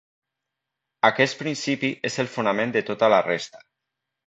Aquest principi és el fonament de tota la resta.